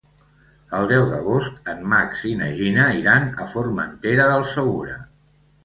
El deu d'agost en Max i na Gina iran a Formentera del Segura.